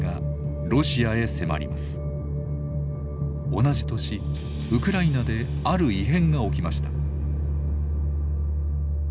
同じ年ウクライナである異変が起きました。